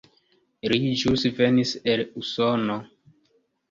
Li ĵus venis el Usono.